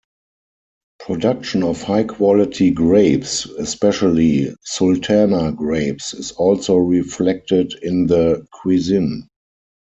Production of high quality grapes, especially Sultana grapes is also reflected in the cuisine.